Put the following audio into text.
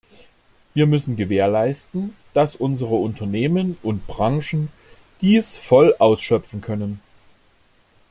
Wir müssen gewährleisten, dass unsere Unternehmen und Branchen dies voll ausschöpfen können.